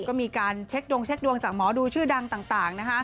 ก็มีการเช็คดวงจากหมอดูชื่อดังต่างนะคะ